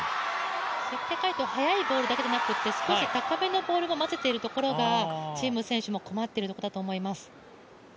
速いボールだけでなくて高めのボールも混ぜているところが陳夢選手も困っているところだと思います。